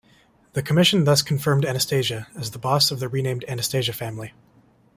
The Commission thus confirmed Anastasia as the boss of the renamed Anastasia family.